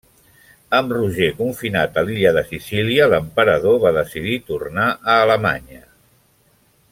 Amb Roger confinat a l'illa de Sicília, l'emperador va decidir tornar a Alemanya.